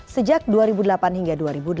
sejak dua ribu delapan hingga dua ribu delapan